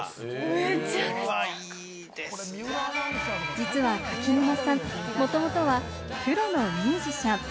実は柿沼さん、もともとはプロのミュージシャン。